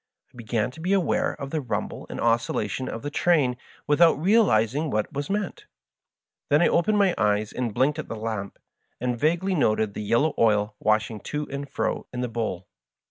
I began to be aware of the rumble and oscillation of the train without real izing what was meant. Then I opened my eyes and blinked at the lamp, and vaguely noted the yellow oil washing to and fro in the bowl.